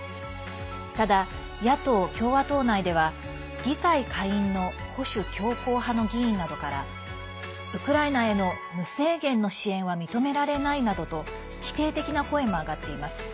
ただ、野党・共和党内では議会下院の保守強硬派の議員などからウクライナへの無制限の支援は認められないなどと否定的な声も上がっています。